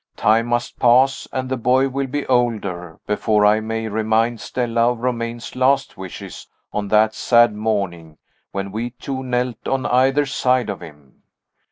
Time must pass, and the boy will be older, before I may remind Stella of Romayne's last wishes on that sad morning when we two knelt on either side of him.